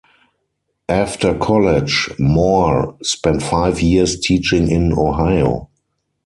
After college Moore spent five years teaching in Ohio.